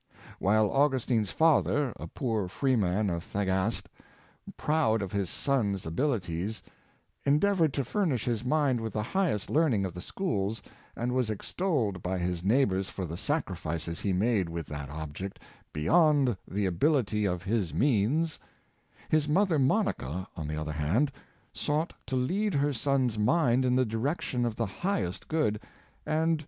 While Augustine's father, a poor freeman of Thagaste, proud of his son's abilities, endeavored to furnish his mind with the highest learning of the schools, and was ex tolled by his neighbors for the sacrifices he made with that object *' beyond the ability of his means" — his mother, Monica, on the other hand, sought to lead her son's mind in the direction of the highest good, and 96 Early Impressions.